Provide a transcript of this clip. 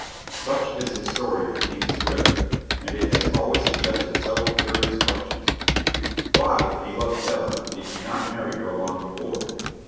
Such is the story of Dean Swift, and it has always suggested several curious questions. Why, if he loved Stella, did he not marry her long before?